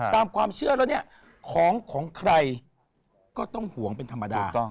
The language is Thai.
ตามความเชื่อแล้วเนี่ยของของใครก็ต้องห่วงเป็นธรรมดา